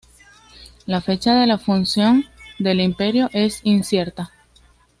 La fecha de la fundación del imperio es incierta.